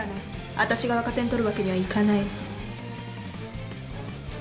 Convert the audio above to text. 私が赤点取るわけにはいかないの。